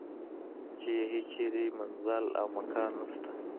چې یې هیچرې منزل او مکان نشته.